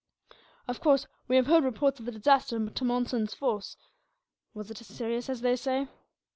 "Of course, we have heard reports of the disaster to Monson's force. Was it as serious as they say?"